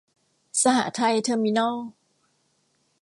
สหไทย เทอร์มินอล